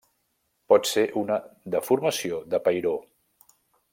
Pot ser una deformació de peiró.